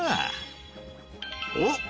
おっ！